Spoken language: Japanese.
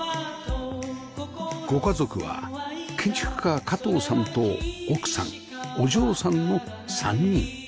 ご家族は建築家加藤さんと奥さんお嬢さんの３人